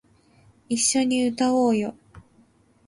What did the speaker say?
一緒に歌おうよ